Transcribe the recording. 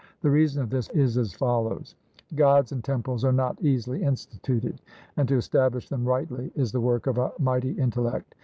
The reason of this is as follows: Gods and temples are not easily instituted, and to establish them rightly is the work of a mighty intellect.